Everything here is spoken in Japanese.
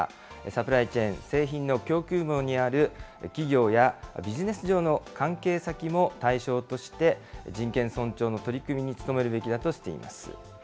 サプライチェーン・製品の供給網にある企業やビジネス上の関係先も対象として、人権尊重の取り組みに努めるべきだとしています。